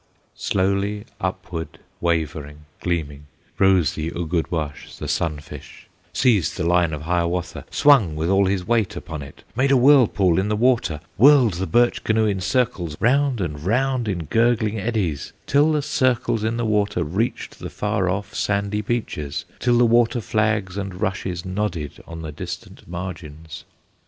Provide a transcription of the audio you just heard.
Slowly upward, wavering, gleaming, Rose the Ugudwash, the sun fish, Seized the line of Hiawatha, Swung with all his weight upon it, Made a whirlpool in the water, Whirled the birch canoe in circles, Round and round in gurgling eddies, Till the circles in the water Reached the far off sandy beaches, Till the water flags and rushes Nodded on the distant margins.